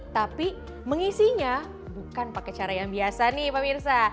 tapi mengisinya bukan pakai cara yang biasa nih pemirsa